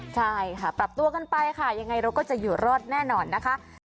ใช่ค่ะปรับตัวกันไปค่ะยังไงเราก็จะอยู่รอดแน่นอนนะคะ